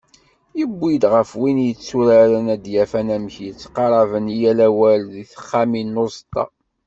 Yewwi-d ɣef win yetturaren ad d-yaf anamek yettqaṛaben i yal awal deg texxamin n uẓeṭṭa.